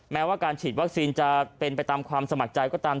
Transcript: แม้ว่าการฉีดวัคซีนจะเป็นไปตามความสมัครใจก็ตาม